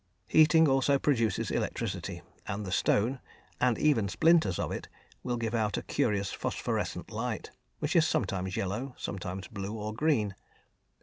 Heating also produces electricity, and the stone, and even splinters of it, will give out a curious phosphorescent light, which is sometimes yellow, sometimes blue, or green.